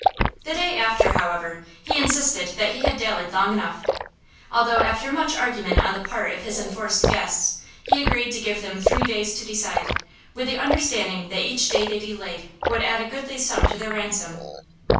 The day after, however, he insisted that he had dallied long enough, although after much argument on the part of his enforced guests he agreed to give them three days to decide, with the understanding that each day they delayed would add a goodly sum to their ransom.